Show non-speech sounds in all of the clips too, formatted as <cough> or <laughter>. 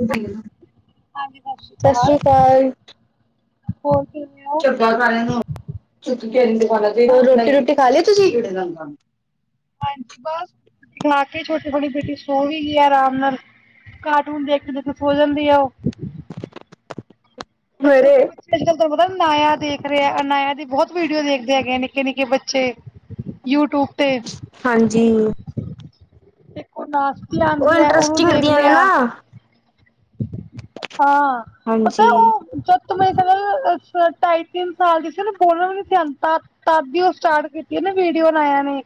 ਸਤਿ ਹਾਂਜੀ ਸਸ਼੍ਰੀ ਸ੍ਰੀ ਕਾਲ, ਅਕਾਲ। ਹੋਰ ਕਿਵੇਂ ਓ? ਹੋਰ ਰੋਟੀ-ਰੁਟੀ ਖਾਲੀ ਤੁਸੀ? ਹਾਂਜੀ ਬਸ, ਬਣਾ ਕੇ ਛੋਟੀ ਹੁਣੀ ਬੇਟੀ ਸੋਗੀ ਆ ਆਰਾਮ ਨਾਲ। ਕਾਰਟੂਨ ਦੇਖਦੇ-ਦੇਖਦੇ ਸੋ ਜਾਂਦੀ ਐ ਓ। ਤੇ ਸਵੇਰੇ ਛੋਟੇ ਬੱਚੇ ਅੱਜ-ਕੱਲ ਤਾਨੂੰ ਪਤਾ ਅਨਾਇਆ ਦੇਖ ਰੇਆ, ਅਨਾਇਆ ਦੀ ਬਹੁਤ ਵੀਡੀਓ ਦੇਖਦੇ ਹੈਗੇ ਆ ਨਿੱਕੇ-ਨਿੱਕੇ ਬੱਚੇ ਯੂਟੂਬ ਤੇ। ਹਾਂਜੀ। ਏਕ ਓ ਨਾਸਤੀ ਉਹ ਆਂਦੀ ਐ ਓ ਇੰਟਰਸਟਿੰਗ ਦੇਖ ਦੀਆਂ ਨੇ ਨਾ ਲੇਯਾ। ਹਾਂ, ਪਤਾ ਹਾਂਜੀ ਓ ਜਦ ਤਕ ਮੇਰੀ ਸਕ ਅੱਛਾ, ਢਾਈ-ਤਿੰਨ ਸਾਲ ਦੀ ਸੀ ਨਾ ਬੋਲਣਾ ਵੀ ਨ ਸੀ ਅੰਤਾ ਤੱਦ ਦੀ ਓ ਸਟਾਟ ਕੀਤੀ ਆ ਨਾ ਵੀਡੀਓ ਅਨਾਇਆ ਨੇ,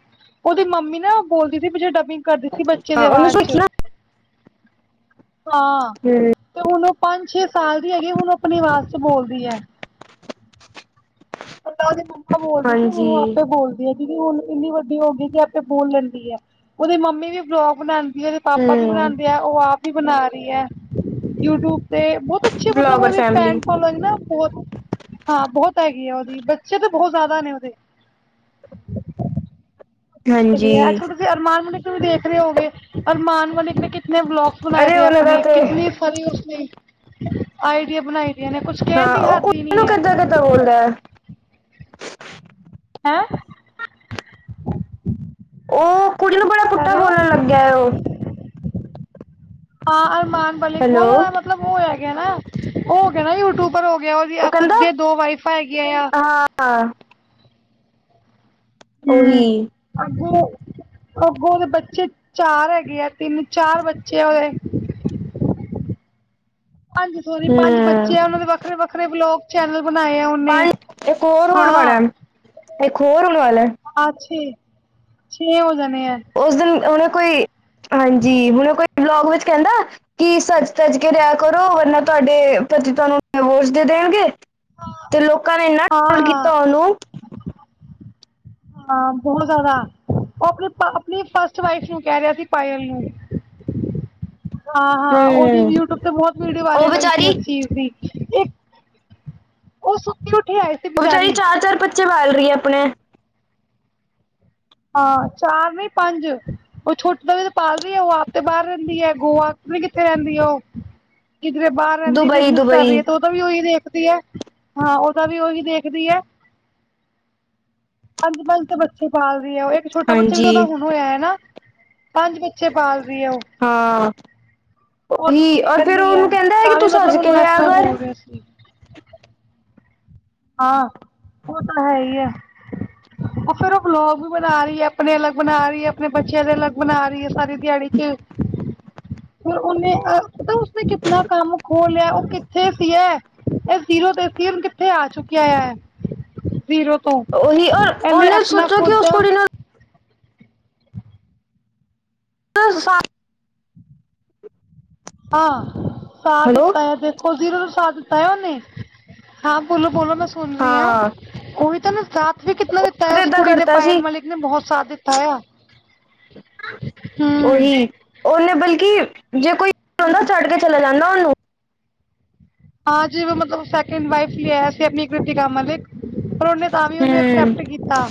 ਓਦੀ ਮੰਮੀ ਨਾ ਬੋਲਦੀ ਸੀ ਪਿੱਛੇ ਡਬਿੰਗ ਕਰਦੀ ਸੀ ਬੱਚੇ ਦੀ ਹਾਂ ਉਹਨੂੰ ਆਵਾਜ਼ ਸਿੱਖੀ 'ਚ, ਨਾ ਹਾਂ। ਹੂੰ। ਤੇ ਹੁਣ ਓ ਪੰਜ-ਛੇ ਸਾਲ ਦੀ ਹੈਗੀ ਐ ਹੁਣ ਓ ਆਪਣੀ ਆਵਾਜ਼ ਚ ਬੋਲਦੀ ਐ। ਪੈਲਾਂ ਓਦੀ ਮੰਮਾ ਬੋਲਦੀ ਸੀ ਹਾਂਜੀ ਹੁਣ, ਓ ਆਪੇ ਬੋਲਦੀ। ਦੀਦੀ ਹੁਣ ਇੰਨੀ ਵੱਡੀ ਹੋ ਗਈ ਕਿ ਆਪੇ ਬੋਲ ਲੈਂਦੀ ਐ ਓਦੀ ਮੰਮੀ ਵੀ ਵਲੋਗ ਬਣਾਦੀ ਓਦੇ ਪਾਪਾ ਵੀ ਹੂੰ ਬਣਾਦੇ ਆ, ਓ ਆਪ ਵੀ ਬਣਾ ਰੀਐ, ਯੂਟਯੁਬ ਤੇ ਬੋਤ ਅੱਛੀ, ਮਤਲਬ ਬਲੋਗਰ ਓਦੀ ਫੈਮਲੀ ਫੈਨ ਫੋਲੋਇੰਗ ਨਾ ਬਹੁਤ, ਹਾਂ ਬਹੁਤ ਹੈਗੀ ਆ ਓ ਦੀ ਬੱਚੇ ਤਾਂ ਬਹੁਤ ਜ਼ਿਆਦਾ ਨੇ ਓਦੇ। ਹਾਂਜੀ ਅੱਜ-ਕਲ ਤੁਸੀਂ ਅਰਮਾਨ ਮਲਿਕ ਨੂੰ ਵੀ ਦੇਖ ਰੇ ਹੋਗੇ, ਅਰਮਾਨ ਮਲਿਕ ਨੇ ਕਿਤਨੇ ਵਲੋਗਸ ਬਣਾਏ ਅਰੇ ਦੇਆ ਉਹਨਾਂ ਦਾ ਅਪਨੇ ਤੇ ਕਿਤਨੀ ਸਾਰੀ ਉਸਨੇ ਆਈਡੀਆ ਬਣਾਈ ਦੀਆਂ ਨੇ ਕੁਛ ਕਹਿਣ ਹਾਂ, ਦੀ ਹੱਦ ਓ ਹੀ ਨਹੀਂ <unintelligible> ਹੈ ਕੱਜਾ-ਕੱਜਾ ਬੋਲਦਾ। ਹੈਂ? ਓ ਕੁੜੀ ਨੂੰ ਬੜਾ ਕਰ ਪੁੱਠਾ ਰਹੇ ਹੋ ਬੋਲਣ ਲੱਗੇਆ ਓ। ਹਾਂ, ਅਰਮਾਨ ਮਲਿਕ ਹੈਲੋ ਬਹੁਤ ਜਾਦਾ ਮਤਲਬ ਓ ਹੈਗਾ ਨਾ, ਓ ਹੋ ਗਯਾ ਨਾ ਯੂ-ਟੂਬਰ ਹੋ ਗਿਆ, ਉਹ ਓਦੀਆਂ ਖੁਦ ਕਹਿੰਦਾ ਦੀਆ ਦੋ ਵਾਈਫਾਂ ਹੈਗੀਆ ਯਾਂ। ਹਾਂ ਓਹੀ ਅੱਗੋ ਅੱਗੋਂ ਓਦੇ ਬੱਚੇ ਚਾਰ ਹੈਗੇ ਆ, ਤਿੰਨ-ਚਾਰ ਬੱਚੇ ਆ ਓਦੇ। ਪੰਜ ਸੋਰੀ ਪੰਜ ਹੂੰ ਬੱਚੇ ਆ ਓਨਾਂ ਦੇ ਵੱਖਰੇ-ਵੱਖਰੇ ਵਲੋਗ ਚੈਨਲ ਬਣਾਏ ਆ ਓ ਪੰਜ, ਇੱਕ ਹੋਰ ਹੋਣ ਵਾਲਾ, ਇਕ ਹੋਰ ਹੋਣ ਵਾਲਾ। ਹਾਂ ਛੇ, ਛੇ ਹੋ ਜਾਣੇ ਐ। ਓਸ ਦਿਨ ਉਹਨਾਂ ਕੋਈ, ਹਾਂਜੀ ਮਤਲਬ ਕੋਈ ਵਲੋਗ ਵਿੱਚ ਕੈਂਦਾ ਕੀ ਸੱਜ-ਤਜੱ ਕੇ ਰਿਆ ਕਰੋ ਵਰਨਾ ਤੁਆਡੇ ਪਤੀ ਤੁਆਨੂੰ ਡਿਵੋਰਸ ਦੇ ਦੇਣਗੇ ਤੇ ਲੋਕਾਂ ਨੇ ਏਨਾ, ਹਾਂ ਤੰਗ ਕੀਤਾ ਹਾਂ ਓਨੂੰ। ਹਾਂ, ਬਹੁ ਜਾਦਾ, ਓ ਅਪਨੀ ਪਾ ਅਪਨੀ ਫਸਟ ਵਾਈਫ ਨੂੰ ਕੈ ਰਿਆ ਸੀ ਪਾਯਲ ਨੂੰ। <inaudible> ਹਾਂ-ਹਾਂ, ਓਦੀ ਹੂੰ ਯੂਟਯੁਬ ਤੇ ਬਹੁਤ ਵੀਡੀਓ ਉਹ ਵਾਇਰਲ ਹੋਈ ਸੀ ਵਿਚਾਰੀ ਏਸ ਚੀਜ਼ ਦੀ। ਏ, ਓ ਸੁੱਤੀ-ਉੱਠੀ ਆਏ ਓ ਵਚਾਰੀ, ਚਾਰ-ਚਾਰ ਬੱਚੇ ਪਾਲ ਰਈ ਆਪਨੇ। ਹਾਂ, ਚਾਰ ਨੀ ਪੰਜ। ਓ ਛੋਟਾ ਜੇਆ ਤੇ ਪਾਲ ਰਹੀ ਐ, ਓ ਆਪ ਤੇ ਬਾਰ ਰੇਂਦੀ ਏ ਗੋਆ, ਪਤਾ ਨੀ ਕਿੱਥੇ ਰੈਂਦੀ ਓ? ਕਿਦਰੇ ਬਾਰ ਰੈਂਦੀ। ਦੁਬਈ ਬਿਜਨਸ ਕਰ ਦੁਬਈ ਰਈ ਆ, ਤੋ ਓਦਾ ਵੀ ਓਹੀ ਦੇਖਦੀ ਐ, ਹਾਂ ਓਦਾ ਵੀ ਓਹੀ ਦੇਖਦੀ ਐ ਪੰਜ-ਪੰਜ ਤੇ ਬੱਚੇ ਪਾਲ ਰੀਆ ਓਏ, ਇੱਕ ਛੋਟਾ ਬੱਚਾ ਵੀ ਤੇ ਹਾਂਜੀ ਓਦਾ ਹੁਨ ਹੋਇਆ ਏ ਨਾ, ਪੰਜ ਬੱਚੇ ਪਾਲ ਰਹੀ ਆ ਓ। ਹਾਂ, ਓ ਹੀ, ਔਰ ਫੇਰ ਰਹਿੰਦੀ ਓਨੂੰ ਹੈ ਕੇਦਾਂ ਏ ਕੇ ਤਾਂ ਵੀ ਤੂੰ ਸਜ ਮਤਲਬ ਕੇ ਉਹਨੂੰ ਇਸ ਰਿਆ ਤਰ੍ਹਾਂ ਕਰ। <unintelligible> ਹਾਂ, ਓ ਤਾਂ ਹੈ ਈ ਆ। ਓ ਫਿਰ ਓ ਬਲੋਗ ਬਣਾ ਰਹੀ ਏ, ਅਪਨੇ ਅਲਗ ਬਣਾ ਰਹੀ ਏ, ਆਪਨੇ ਬੱਚਿਆਂ ਦੇ ਅਲਗ ਬਣਾ ਰਹੀ ਏ ਸਾਰੀ ਦਿਆੜੀ ਚ, ਫਿਰ ਉਨੇ ਅਂ, ਪਤਾ ਉਸਨੇ ਕਿਤਨਾ ਕੰਮ ਖੋਲ ਲਿਆ। ਉਹ ਕੇ ਦੇਖ ਧੀਏ, ਏ ਜੀਰੋ ਤੇ ਫਿਰ ਕਿੱਥੇ ਆ ਚੁੱਕਿਆ ਐ ਜ਼ੀਰੋ ਤੋਂ, ਉਹੀ ਔਰ ਏਨੇ ਉਹਨੇ ਐਪਨਾ ਸੋਚੋ ਕਿ ਖੁਦ ਉਸ ਦਾ ਕੁੜੀ ਨੂੰ <unintelligible> ਆਂ, ਸਾਥ ਹੈਲੋ ਦਿੱਤਾ ਏ ਦੇਖੋ, ਜ਼ੀਰੋ ਤੋਂ ਸਾਥ ਦਿੱਤਾ ਐ। ੳਨੇ। ਹਾਂ, ਬੋਲੋ- ਬੋਲੋ ਮੈਂ ਸੁਨ ਰਹੀ ਆਂ, ਹਾਂ ਓਵੀ ਤਾਂ ਨਾ ਸਾਥ ਵੀ ਕਿਤਨਾ ਤੈਂ, ਫਿਰ ਉਸ ਏਦਾਂ ਕੁੜੀ ਨੇ ਕਰਤਾ ਪਾਇਲ ਸੀ ਮਲਿਕ ਨੇ ਬਹੁਤ ਸਾਥ ਦਿੱਤਾ ਐ। ਓਹੀ ਓਨੇ ਬਲ ਕੀ, ਜੇ ਕੋਈ, ਹੋਰ ਹੁੰਦ ਨਾ ਛਡ ਕੇ ਚਲਾ ਜਾਂਦਾ ਓਨੂੰ। ਹਾਂ, ਜਿਵੇਂ ਮਤਲਬ ਸੈ ਲੇਕਿਨ, ਵਈਫ਼ ਲੇ ਆਇਆ ਸੀ। ਆਪਨੀ ਕ੍ਰਿਤਕਾ ਮਲਿਕ, ਪਰ ਓਨੇ ਤਾਂ ਵੀ ਓਨੂੰ ਹਮ ਐਕਸੈਪਟ ਕੀਤਾ।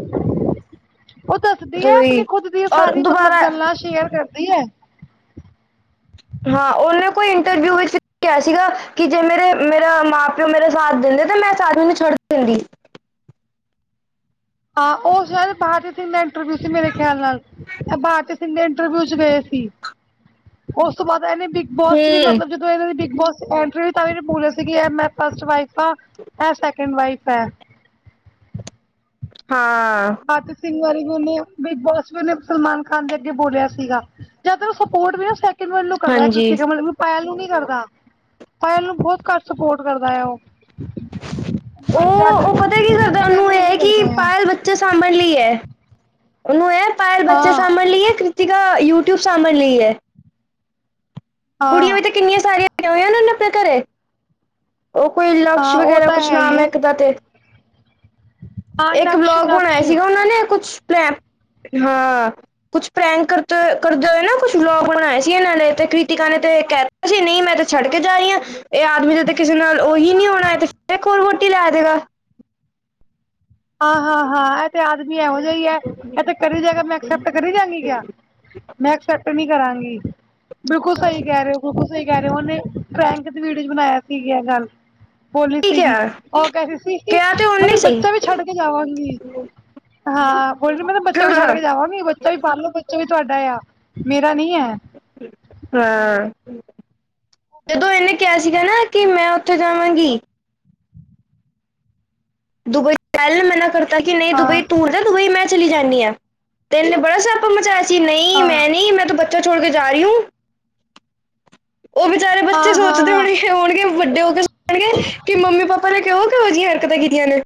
<inaudible> ਓ ਦੱਸਦੀ ਏ, ਆਪਨੀ ਉਹੀ ਖੁਦ ਦੀ ਓ ਔਰ ਸਾਰੀ ਮਤਲਬ ਦੁਬਾਰਾ ਗੱਲਾਂ ਸ਼ੇਅਰ ਕਰਦੀ ਐ। ਹਾਂ, ਓਨੇ ਕੋਈ ਇੰਟਰਵਿਊ ਵਿੱਚ, ਕਿਹਾ ਸੀਗਾ, ਕੇ ਜੇ ਮੇਰੇ ਮੇਰਾ ਮਾਂ ਓ ਮੇਰੇ ਸਾਥ ਦਿੰਦੇ ਤੇ, ਮੈਂ ਇਸ ਆਦਮੀ ਨੂੰ ਛੱਡ ਦਿੰਦੀ। ਹਾਂ, ਓ ਸਾਇਦ <inaudible> ਇੰਟਰਵਿਊ ਸੀ ਮੇਰੇ ਖਿਆਲ ਨਾਲ, <inaudible> ਤਿੰਨੇ ਇੰਟਰਵਿਊ ਚ ਗਏ ਸੀ, ਉਸ ਤੋਂ ਬਾਅਦ ਇਹਨੇ ਬਿਗ ਬੋਸ ਚ ਵੀ ਹਮ ਮਤਲਬ ਜ ਜਦੋਂ ਇਨਾਂ ਦੀ ਬਿਗ ਬੋਸ ਚ ਐਂਟਰੀ ਸੀ। ਤਾਂਵੀ ਨਈ ਬੋਲੇ ਸੀਗੇ ਮੈਂ ਫਸਟ ਵਈਫ ਆਂ। ਐੈ ਸੈਕਿੰਡ ਵਈਫ ਐ। ਹਾਂ। ਅਕ ਸਿੰਘ ਵਾਰੀ ਬੋਲੇ ਆਂ, ਬਿਗ ਬੋਸ ਵੇਲੇ ਸਲਮਾਨ ਖਾਨ ਦੇ ਅੱਗੇ ਬੋਲਿਆ ਸੀਗਾ। ਹਾਂਜੀ <unintelligible> ਪਾਇਲ ਨੂੰ ਨੀ ਕਰਦਾ, ਪਾਇਲ ਨੂੰ ਬਹੁਤ ਘੱਟ ਸਪੋਟ ਕਰਦਾ ਆ ਓ। ਉਹ ਪੰਜ ਆਡਰ ਉਹ ਪਤਾ ਕੀ ਕਰਦਾ ਉਹਨੂੰ ਇਹ ਹੈ <unintelligible> ਕਿ ਕਰਦਾ। ਪਾਇਲ ਬੱਚੇ ਸਾਂਭਣ ਲਈ ਏ, ਉਨੂੰ ਏ ਪਾਇਲ ਬੱਚੇ ਹਾਂ ਸਾਂਭਣ ਲਈ ਏ ਤਿਗਾ, ਯੂਟਿਊਬ ਸਾਂਭਣ ਲਈ ਐ। ਕੁੜੀਆਂ ਵੀ ਹਾਂ ਤੇ ਕਿੰਨੀਆਂ ਸਾਰੀਆਂ, ਆਈਆਂ ਹੋਈਆਂ ਨ-ਨ ਆਪਨੇ ਘਰੇ। ਓ, ਕੋਈ ਲਕਸ਼ ਹਾਂ ਉਹ ਵਗੈਰਾ ਤਾਂ ਕੁਛ ਹੈ ਹੀ ਨਾਮ ਏ ਹੈ ਇੱਕ ਦਾ ਤੇ। ਹਾਂ ਇੱਕ ਨਕਸ਼ ਬਲੋਗ ਬਣਾਇਆ ਨਕਸ਼ ਸੀਗਾ। ਓਨਾਂ ਨੇ ਕੁਛ, ਮੈਂ ਹਾਂ ਕੁਛ ਪ੍ਰੈਂਕ ਕਰਤੇ, ਕਰਦੇ ਹੋਏ ਨਾ ਕੁਛ ਵਲੋਗ ਬਣਾਏ ਸੀ। ਇੰਨਾ ਨੇ ਤੇ ਕ੍ਰਿਤਿਕਾ ਨੇ ਤੇ ਕ ਅਸੀਂ ਨੀ ਮੈਂ ਤੇ ਛੱਡ ਕੇ ਜਾ ਰਹੀ ਆਂ, ਇਹ ਆਦਮੀ ਦੇ ਕਿਸੇ ਨਾਲ ਉਹੀ ਨੀ ਆਉਣਾ ਐ ਤੇ, <inaudible> ਵਹੁਟੀ ਲੈ ਦੇਗਾ। ਹਾ-ਹਾ-ਹਾ, ਐ ਤੇ ਆਦਮੀ ਇਹੋ ਜਿਆ ਈਆ, ਐ ਤੇ ਕਰੀ ਜਾਏਗਾ, ਮੈਂ ਐਕਸੈਪਟ ਕਰੀ ਜਾ ਗੀਂ ਕਿਆ। ਮੈਂ ਐਕਸੈਪਟ ਨੀ ਕਰਾਂਗੀ, ਬਿਲਕੁਲ ਸਹੀ ਕਹਿ ਰਹੇ ਓ- ਬਿਲਕੁਲ ਸਹੀ ਕਹਿ ਰਹੇ। ਉਹਨੇ ਫੈਂਕ ਦੇ ਵੀਡੀਓ 'ਚ ਬਣਾਇਆ ਸੀਗਾ ਗੱਲ- ਬੋਲੀ ਠੀਕ ਸੀਗੀ ਆ ਉਹ ਕਹਦੀ ਸੀ ਕਿ ਕਿਹਾ ਤੇ ਉਹਨੇ ਮਤਲਬ ਸੀ ਬੱਚਾ ਵੀ- ਛਡ ਕੇ ਜਾਵਾਗੀ ਹਾਂ ਹੋਲੀ ਮਤਲਬ ਬੱਚਾ ਹਾਂ ਵੀ ਛਡ ਹਾਂ ਕੇ ਜਾਵਾਗੀ ਬੱਚਾ ਵੀ ਪਾਲ ਲੋੋ- ਵੀ ਤੁਹਾਡਾ ਆ ਮੇਰਾ ਨੀ ਹੈ। ਹਾਂ ਜਦੋ ਇਹਨੇ ਕਿਹਾ ਸੀਗਾ ਨਾ ਕਿ ਮੈ ਉਥੇ ਜਾਵਾਂਗੀ। ਦੁਬਈ ਕਹਿਲ ਮਨਾ ਕਰਤਾ ਕਿ ਨਹੀ ਦੁਬਈ ਹਾਂ ਟੂਰ- ਹੋਈ ਮੈ ਚਲੀ ਜਾਦੀ ਹਾਂ ਤੈਨੇ ਬੜਾ <unintelligible> ਸੱਪ ਮਚਾਇਆ ਸੀ ਨਹੀ। ਹਾਂ- ਨਹੀ ਮੈ ਬੱਚਾ ਛੋੜ ਕੇ ਜਾ ਰਹੀ ਹੂੰ- ਉਹ ਬੇਚਾਰੇ ਬੱਚੇ ਹਾਂ, ਹਾਂ, ਸੋਚਦੇ ਹਾਂ ਹੋਣਗੇ- ਹੋਣਗੇ- ਵੱਡੇ ਹੋ ਕੇ ਸੁਣਗੇ ਕਿ ਮੰਮੀ ਪਾਪਾ ਨੇ ਕਿਹੋ ਕਿਹੋ ਜਿਹੀਆਂ ਹਰਕਤਾਂ ਕੀਤੀਆਂ ਨੇ-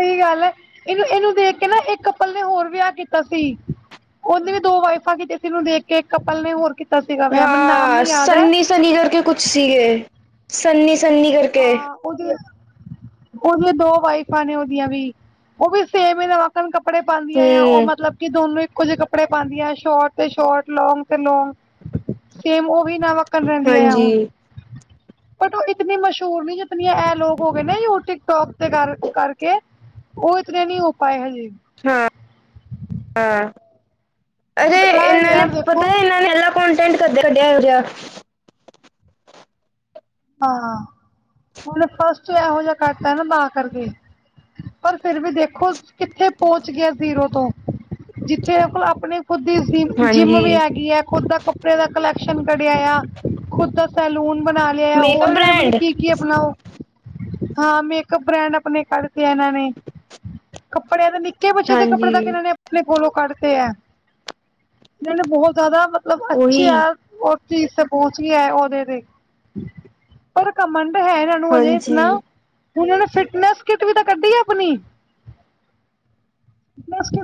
ਸਹੀ ਗੱਲ ਹ ਇਹਨੂੰ ਇਹਨੂੰ ਦੇਖ ਕੇ ਨਾ ਇਕ ਕਪਲ ਨੇ ਹੋਰ ਵਿਆਹ ਕੀਤਾ ਸੀ- ਉਹਦੀ ਵੀ ਦੋ ਵਾਈਫਾਂਤੇ ਤਨ ਨੂੰ ਦੇਖ ਕੇ ਕਪਲ ਨੇ ਹੋਰ ਕੀਤਾ ਸੀਗਾ ਵਿਆਹ ਮੈਨੂੰ ਨਾਮ ਨੀ ਯਾਦ ਹੈ। ਸਨੀ ਕਰਕੇ ਕੁਛ ਸੀਗੇ ਸੰਨੀ ਸੰਨੀ ਕਰਕੇ- ਉਹਦੀ ਉਹਦੀਆਂ ਦੋ ਵਾਈਫਾਂ ਨੇ ਉਹਦੀਆਂ ਵੀ ਉਹ ਵੀ ਸੇਮ ਹੀ- ਕੱਪੜੇ ਪਾਉਦੀਆਂ ਆ ਉਹ ਹੂੰ ਮਤਲਬ- ਦੋਨੋ ਇਕੋ ਜਿਹੇ ਕੱਪੜੇ ਪਾਉਦੀਆਂ ਸ਼ੋਰਟ ਤੇ ਸ਼ੋਰਟ ਲੋਂਗ ਤੇ ਲੋਗ- ਸੇਮ ਉਹ ਵੀ ਨਾ ਵੱਕਣ ਰਹਿੰਦੀਆਂ ਆ ਹਾਂਜੀ ਹੁਣ ਬਟ ਉਹ ਇਤਨੀ ਮਸ਼ਹੂਰ ਝੂਰ ਨੀ ਜਿਨੀਆਂ ਇਹ ਲੋਕ ਹੋ ਗਏ ਨੇ ਉਹ ਟਿਕਟੋਕ ਤੇ ਕਰ ਕਰਕੇ- ਉਹ ਇਤਨ ਨਹੀ ਹੋ ਪਾਏ ਹਜੇ- ਹਾਂ -ਹਾਂ ਅਰੇ ਇਹ ਇਹਨਾ ਨੇ ਯਾਰ ਦੇਖੋ ਪਤਾ ਇਹਨਾ ਨੇ- ਕੋਂਟੈਂਟ ਕੱਦੇ ਕੱਢਿਆ ਹੋ ਜਿਹਾ- ਹਾਂ ਉਹਨੇ ਫਸਟ ਇਹੋ ਜਿਹਾ ਕਰ ਦੀਤਾ ਤਾਂ ਕਰਕੇ- ਪਰ ਫਿਰ ਵੀ ਦੇਖੋ ਕਿਥੇ ਪਹੁੰਚ ਗਿਆ ਜ਼ੀਰੋ ਤੋਂ- ਜਿਥੇ ਆਪਣੇ- ਖੁਦ ਦੀ ਜਿਮ ਜਿੰਮ ਹਾਂਜੀ ਵੀ ਹੈਗੀ ਹੈ। ਖੁਦ ਦਾ ਕੱਪੜੇ ਦਾ ਕਲੈਕਸ਼ਨ ਕਢਿਆ ਆ ਖੁਦ ਦਾ- ਸੈਲੂਨ ਬਣਾ ਲਿਆ ਮੇਕਅਪ ਹੋਰ ਜਿਹੜਾ ਮਤਲਬ ਬ੍ਰਾਂਡ ਕੀ ਕੀ ਅਪਣਾਓ ਹਾਂ ਮੇਕਅਪ ਬ੍ਰਾਂਡ ਆਪਣੇ ਕੱਢ ਇਹਨਾ ਨੇ- ਕੱਪੜਿਆਂ ਦੇ ਨਿਕੇ ਬੱਚੇ ਦੇ ਹਾਂਜੀ ਕੱਪੜੇ ਦਾ ਕਿਹਨਾ ਨੇ- ਆਪਣੇ ਕੋਲੋ ਕਰਦੇ ਹੈ। ਇਹਨਾ ਨੇ ਬਹੁਤ ਜਿਆਦਾ ਮਤਲਬ ਅਛੇ ਉਹੀ ਆ। ਉਹ ਚੀ ਪਹੁੰਚ ਗਿਆ ਉਹਦੇ ਤੇ- ਪਰ ਕਮਣ ਤੇ ਹੈ। ਇਹ ਨੂੰ ਅਜੇ ਹਾਂਜੀ ਇਤਨਾ- ਉਹ ਨੇ ਫਿਟਨੈਂਸ ਕਿਟ ਵੀ ਤਾਂ ਕੱਢੀ ਆ ਆਪਣੀ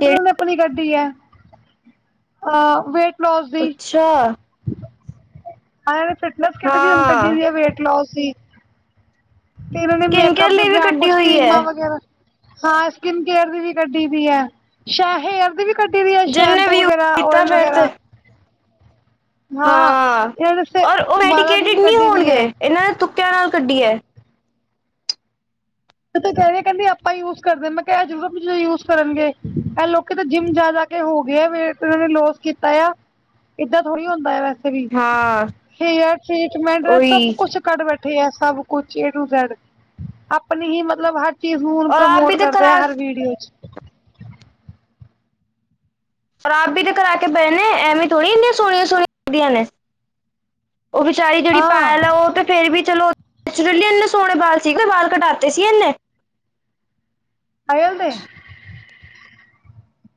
ਕਿਹੜੀ ਦੀ ਆਪਣੀ ਗੱਡੀ ਹੈ। ਅਹ ਵੇਟ ਲੋਸ ਦੀ ਅੱਛਾ। ਹਾਂ ਫਿਟਨੈਸ ਕਿਤੇ ਵੀ ਹੁਣ ਕੱਢੀ ਹਾਂ ਸੀ ਹੈ ਵੇਟ ਲੋਸ ਸੀ। ਤੇ ਇਹਨਾ ਨੇ ਸਕਿਨ ਕੇਅਰ ਮੇਕਅਪ ਦੇ ਲਈ ਵੀ ਬਰਾਨਡ ਕੱਢੀ ਕੁਛ ਹੋਈ ਹੈ ਕਰੀਮਾਂ ਵਗੈਰਾ- ਹਾਂ ਸਕਿਨ ਕੇਅਰ ਦੀ ਵੀ ਕੱਢੀ ਦੀ ਹੈ। ਸ਼ਾਇਦ ਹੇਅਰ ਦੀ ਵੀ ਕੱਢ ਦੀ ਹੈ। ਜਿੰਨੇ ਸ਼ੈਂਪੂ ਵੀ ਵਗੈਰਾ ਕੀਤਾ ਓਇਲ ਫੇਰ ਤੇ ਵਗੈਰਾ। ਹਾਂ ਇਹਨਾਂ ਨੇ ਸ ਔਰ ਉਹ ਵਾਲਾਂ ਦੀ ਮੈਡੀਕੇਟਿਡ ਵੀ ਨਹੀ ਕੱਢੀ ਦੀ ਹੋਣਗੇ ਹੈ ਇਹਨਾ ਨੇ ਤੁਕਿਆਂ ਨਾਲ ਕੱਢੀ ਹੈ। ਤੇੂੰ ਕਹਿ ਕਹਿਦੀ ਆਪਾਂ ਯੂਜ ਕਰਦੇ ਮੈਂ ਕਿਹਾ ਜਰੂਰਤ ਯੂਜ ਕਰਨਗੇ ਇਹ ਲੋਕ ਤਾਂ ਜਿਮ ਜਾਿਆਦਾ ਹੋ ਗਏ ਆ ਫੇਰ ਉਹਨਾ ਨੇ ਲੋਸ ਕੀਤਾ ਆ ਏਦਾਂ ਥੋੜ੍ਹੀ ਹੁੰਦਾ ਵੈਸੇ। ਹਾਂ ਠੀਕ ਮੈ ਸਭ ਉਹੀ ਕੁੱਛ ਕਰ ਬੈਠੇ ਆ ਸਭ ਕੁੱਛ ਏਟੂਜੈਡ। ਆਪਣੀ ਹੀ ਮਤਲਬ ਹਰ ਚੀਜ ਨੂੰ ਔਰ ਆਪ ਪ੍ਰਮੋਟ ਵੀ ਤੇ ਕਰਦੇ ਆ ਕਰਾ ਹਰ ਵੀਡੀਓ 'ਚ ਆਪ ਵੀ ਤੇ ਕਰਾ ਕੇ ਪਏ ਨੇ ਐਵੇ ਥੋੜ੍ਹੀ ਇਨੀਆਂ ਸੋਹਣੀਆਂ- ਸੋਹਣੀਆਂ ਲੱਗਦੀਆਂ ਨੇ- ਉਹ ਵਿਚਾਰੀ ਜਿਹੜੀ ਪਾਇਲ ਹਾਂ ਹੈ। ਉਹ ਤੇ- ਫੇਰ ਵੀ ਚਲੋ ਨੈਚੁਰਲੀ ਇਨੇ ਸੋਹਣੇ ਬਾਲ ਸੀਗੇ ਬਾਲ ਕਟਾਤੇ ਸੀਗੇ ਇਨੇ- ਪਾਇਲ ਦੇ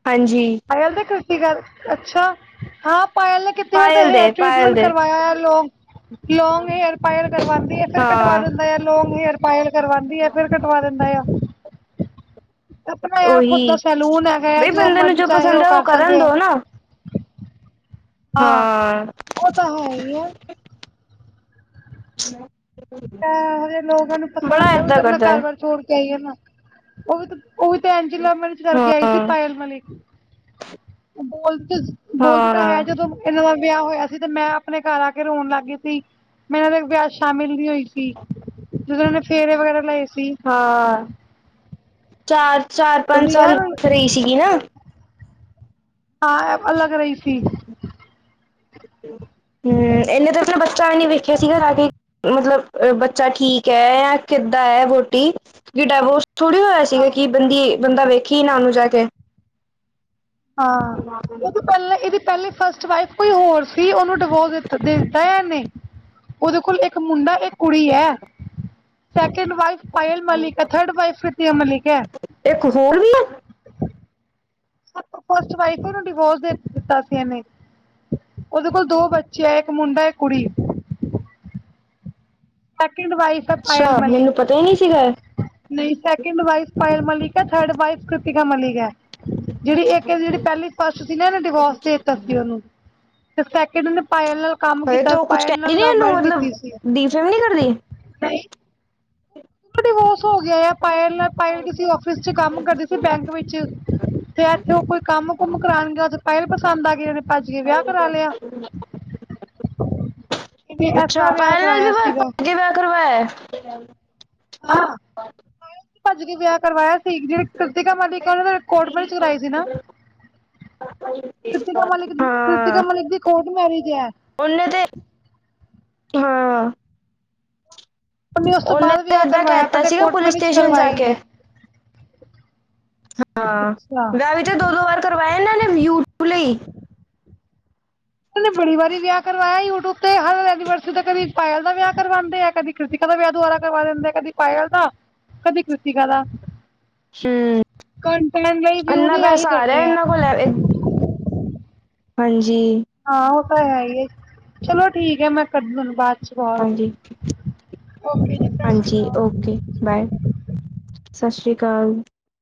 ਹਾਂਜੀ- ਪਾਇਲ ਤੇ ਕ੍ਰਿਤੀਕਾ ਅੱਛਾ ਹਾਂ ਪਾਇਲ ਕਿਤੇ ਓ ਤੇ ਪਾਇਲ ਹੇਅਰ ਦੇ ਪਾਇਲ ਟ੍ਰਰੀਟਮੈਂਟ ਦੇ ਕਰਵਾਇਆ ਆ ਲੋਕ ਲੌਂਗ ਹੇਅਰ ਪਾਇਲ ਕਰਵਾਉਂਦੀ ਹੈ ਫਿਰ ਕਟਵਾ ਹਾਂ ਦਿੰਦੀ ਲੋਂਂਗ ਹੇਅਰ ਪਾਇਲ ਕਰਵਾਉਂਦੀ ਆ ਫਿਰ ਕਟਵਾ ਦਿੰਦਾ ਆ ਆਪਣਾ ਯਾਰ ਖੁਦ ਉਹੀ ਦਾ ਸੈਲੂਨ ਹੈਗਾ ਹੈ ਬਈ ਜੋ ਬੰਦੇ ਨੂੰ ਮਰਜ਼ੀ ਚਾਹੇ ਪਸੰਦ ਉਹ ਹੈ ਕਰ ਕਰਨ ਸਕਦੇ ਐ ਦੋ ਨਾ ਹਾਂ ਉਹ ਤਾਂ ਹੈ ਈ ਆ <unintelligible> ਅ ਇਹੋ ਜਿਹੇ ਲੋਕਾਂ ਨੂੰ ਬੜਾ ਪਸੰਦ ਆ ਉਹ ਵੀ ਏਦਾਂ ਤਾਂ ਆਪਣਾ ਕਰਦਾ ਹੈ ਘਰਬਾਰ ਛੋੜ ਕੇ ਆਈ ਹੈ ਨਾ ਉਹ ਵੀ ਤਾਂ ਉਹ ਵੀ ਤੇ ਏਂਜ ਈ ਤੇ ਲਵ ਮੈਰਿਜ ਕਰਕੇ ਆਈ ਸੀ ਹਾਂ ਪਾਇਲ ਮਲਿਕ ਓ ਬੋਲ ਤੇ ਬੋਲਦੇ ਤਾਂ ਹੈ ਹਾਂ ਜਦੋਂ ਇਹਨਾਂ ਦਾ ਵਿਆਹ ਹੋਇਆ ਸੀ ਤੇ ਮੈਂ ਆਪਣੇ ਘਰ ਆ ਕੇ ਰੋਣ ਲੱਗ ਗਈ ਸੀ ਮੈਂ ਇਨਾਂ ਦੇ ਵਿਆਹ ਚ ਸ਼ਾਮਿਲ ਨੀ ਹੋਈ ਸੀ ਠੀਕ ਜਦੋਂ ਇਨਾਂ ਨੇ ਫੇਰੇ ਵਗੈਰਾ ਲਏ ਸੀ। ਹਾਂ ਚਾਰ ਚਾਰ ਪੰਜ ਬੋਲਦੀ ਸਾਲ ਯਾਰ ਫਰੀ ਸੀਗੀ ਨਾ ਹਾਂ ਇਹ ਅਲੱਗ ਰਹੀ ਸੀ ਹੂੰ ਇਹਨੇ ਤਾਂ ਆਪਣਾ ਬੱਚਾ ਵੀ ਨਈ ਵੇਖਿਆ ਸੀਗਾ ਰਾ ਕੇ ਮਤਲਬ ਬੱਚਾ ਠੀਕ ਹੈ ਜਾਂ ਕਿੱਦਾਂ ਹੈ ਵਹੁਟੀ ਵੀ ਡਾਇਵੋਰਸ ਥੋੜ੍ਹੀ ਹੋਇਆ ਸੀਗਾ ਹਾਂ ਕਿ ਬੰਦੀ ਬੰਦਾ ਵੇਖੀ ਨਾ ਉਹ ਨੂੰ ਜਾ ਕੇ ਹਾਂ ਇਹਦੇ ਪੈਲੇ ਇਹਦੇ ਪਹਿਲੀ ਫਸਟ ਵਾਈਫ ਕੋਈ ਹੋਰ ਸੀ ਉਹਨੂੰ ਡਿਵੋਰਸ ਦਿੱਤਾ ਦੇਤਾ ਹੈ ਇਹਨੇ ਉਹਦੇ ਕੋਲ ਇੱਕ ਮੁੰਡਾ ਏ ਕੁੜੀ ਹੈ ਸੈਕਿੰਡ ਵਾਈਫ ਪਾਇਲ ਮਲਿਕ ਹੈ ਥਰਡ ਵਾਈਫ ਕ੍ਰੀਤਿਕਾ ਮਲਿਕ ਹੈ। ਇੱਕ ਹੋਰ ਵੀ ਹੈ। ਫਸਟ ਵਾਈਫ ਉਨੂੰ ਡਿਵੋਰਸ ਦੇ ਦਿੱਤਾ ਸੀ ਇਹਨੇ ਉਹਦੇ ਕੋਲ ਦੋ ਬੱਚੇ ਆ ਇੱਕ ਮੁੰਡਾ ਇੱਕ ਕੁੜੀ ਸੈਕਿੰਡ ਵਾਈਫ ਆ ਪਾਇਲ ਅੱਛਾ ਮੈਨੂੰ ਪਤਾ ਹੀ ਮਲਿਕ ਨਹੀਂ ਸੀਗਾ ਨਹੀਂ ਸੈਕਿੰਡ ਵਾਈਫ ਪਇਲ ਮਲਿਕ ਹੈ ਥਰਡ ਵਾਈਫ ਕ੍ਰਿਤੀਕਾ ਮਲਿਕ ਹੈ। ਜਿਹੜੀ ਇੱਕ ਜਿਹੜੀ ਪਹਿਲੀ ਫਸਟ ਸੀ ਨਾ ਇਹਨੇ ਡਿਵੋਰਸ ਤੇ ਦਿੱਤਾ ਸੀ ਉਹਨੂੰ ਤੇ ਸੈਕਿੰਡ ਉਹਨੇ ਪਾਇਲ ਨਾਲ ਕੰਮ ਕੀਤਾ ਪਾਇਲ ਨਾਲ ਮੈਰਿਜ ਕੀਤੀ ਸੀ ਦੀਜਲ ਨੀ ਕਰ ਦੀ। ਨਹੀਂ। ਡਿਵੋਰਸ ਹੋ ਗਿਆ ਆ ਪਾਇਲ ਨਾਲ ਪਾਇਲ ਕਿਸੇ ਆਫਿਸ ਚ ਕੰਮ ਕਰਦੀ ਸੀ ਬੈਂਕ ਵਿੱਚ ਤੇ ਇੱਥੇ ਉਹ ਕੋਈ ਕੰਮ ਕੁਮ ਕਰਾਉਣ ਜਦ ਪਾਇਲ ਪਸੰਦ ਆ ਗਈ ਉਹਨੇ ਭੱਜ ਕੇ ਵਿਆਹ ਕਰਾ ਲਿਆ ਤੇ ਇਸ ਅੱਛਾ ਤਰ੍ਹਾਂ ਵਿਆਹ ਪਾਇਲ ਨਾਲ ਵੀ ਕਰਾਇਆ ਸੀਗਾ ਭੱਜ ਕੇ ਵਿਆਹ ਕਰਵਾਇਆ ਹਾਂ ਭੱਜ ਕੇ ਵਿਆਹ ਕਰਵਾਇਆ ਸੀ ਜਿਹੜੀ ਕ੍ਰਿਤਿਕਾ ਮਲਿਕ ਸੀ ਉਦੇ ਨਾਲ ਕੋਰਟ ਮੈਰਿਜ ਕਰਵਾਈ ਸੀ ਨਾ ਕ੍ਰਿਤਿਕਾ ਮਲਿਕ ਦੀ ਕ੍ਰਤਿਕਾ ਮਲਿਕ ਦੀ ਕੋਰਟ ਮੈਰਿਜ ਐ ਉਨੇ ਤੇ ਹਾਂ ਉਸ ਤੋਂ ਉਹਨੇ ਬਾਅਦ ਤੇ ਵਿਆਹ ਏਦਾਂ ਕਰਵਾਇਆ ਕਹਿਤਾ ਪਹਿਲੇ ਸੀਗਾ ਕੋਟ ਪੁਲਿਸ ਮੈਰਿਜ ਸਟੇਸ਼ਨ ਜਾ ਕਰਵਾਈ ਕੇ ਹੈ। ਹਾਂ ਅੱਛਾ ਵਿਆਹ ਵਿੱਚ ਦੋ ਦੋ ਵਾਰ ਕਰਵਾਏ ਇਹਨਾਂ ਨੇ ਵਿਊਅਰਜ ਲਈ ਉਹ ਨੇ ਬੜੀ ਵਾਰੀ ਵਿਆਹ ਕਰਵਾਇਆ ਯੂਟਿਊਬ ਤੇ ਹਰ ਐਨੀਵਰਸਰੀ ਤੇ ਕਦੇ ਪਾਇਲ ਦਾ ਵਿਆਹ ਕਰਵਾਉਂਦੇ ਆ ਕਦੀ ਕ੍ਰਿਤਿਕਾ ਦਾ ਵੀਆ ਦੁਆਰਾ ਕਰਵਾ ਦਿੰਦੇ ਆ ਕਦੀ ਪਾਇਲ ਦਾ ਕਦੀ ਕ੍ਰਿਤਿਕਾ ਦਾ ਹੂੰ ਕਣਟਣ ਲਈ ਵਿਊ ਇੰਨਾ ਲੀ ਆਹੀ ਪੈਸਾ ਕਰਦੇ ਆ। <unintelligible> ਹਾਂਜੀ। ਹਾਂ, ਉਹ ਤਾਂ ਹੈ ਹੀ ਹੈ ਚਲੋ ਠੀਕ ਹੈ ਮੈਂ ਕਦਨੂੰ ਬਾਅਦ ਹਾਂਜੀ ਓਕੇ ਜੀ, ਸੱਸ ਸ਼੍ਰੀ ਹਾਂਜੀ ਆਕਾਲ। ਓਕੇ ਬਾਏ, ਸਤਿ ਸ਼੍ਰੀ ਅਕਾਲ।